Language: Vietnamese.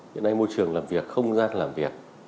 hiện nay môi trường làm việc không gian làm việc